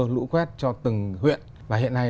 lũ quét cho từng huyện và hiện nay